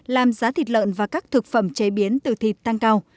làm giá thịt lợn và các thực phẩm chế biến từ thịt tăng cao